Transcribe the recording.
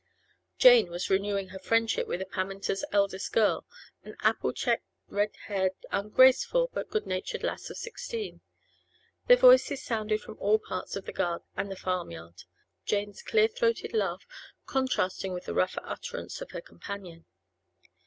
Jane was renewing her friendship with the Pammenters' eldest girl, an apple cheeked, red haired, ungraceful, but good natured lass of sixteen. Their voices sounded from all parts of the garden and the farm yard, Jane's clear throated laugh contrasting with the rougher utterance of her companion.